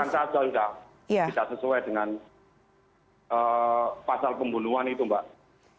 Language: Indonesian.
akan saya coba tidak sesuai dengan pasal pembunuhan itu mbak